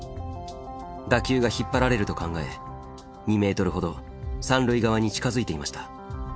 打球が引っ張られると考え２メートルほど三塁側に近づいていました。